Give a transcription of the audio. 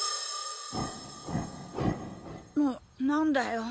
な何だよ！